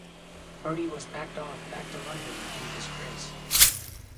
Bertie was packed off back to London in disgrace.